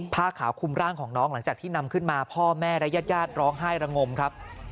ผ้าขาวคุมร่างของน้องหลังจากที่นำขึ้นมาพ่อแม่และญาติญาติร้องไห้ระงมครับ